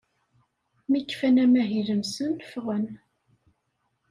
Mi kfan amahil-nsen, ffɣen.